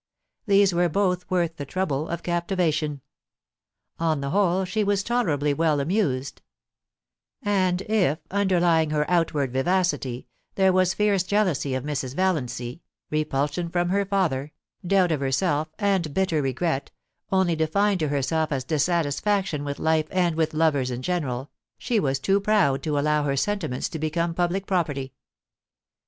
These were both worth the trouble of captivation. On the whole, she was tolerably well amused; and if, underlying her outward vivacity, there was fierce jealousy of Mrs. Valiancy, repulsion from her father, doubt of herself, and bitter regret, only defined to herself as dis satisfaction with life and with lovers in general, she was too proud to allow her sentiments to become public property.